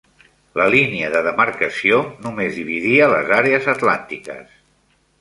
La línia de demarcació només dividia les àrees atlàntiques.